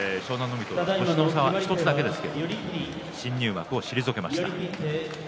海とは年の差１つだけですが新入幕を退けました。